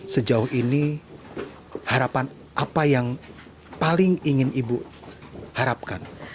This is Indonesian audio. sejauh ini harapan apa yang paling ingin ibu harapkan